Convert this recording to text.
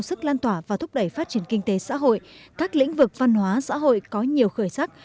sức lan tỏa và thúc đẩy phát triển kinh tế xã hội các lĩnh vực văn hóa xã hội có nhiều khởi sắc